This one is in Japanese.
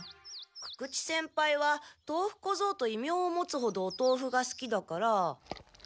久々知先輩は豆腐こぞうと異名を持つほどお豆腐がすきだから。